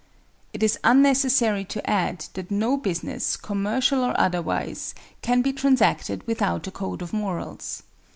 It is unnecessary to add that no business, commercial or otherwise, can be transacted without a code of morals.